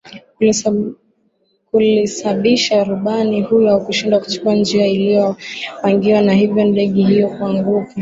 kulisabisha rubani huyo kushindwa kuchukua njia ilio aliopangiwa na hivyo ndege hiyo kuanguka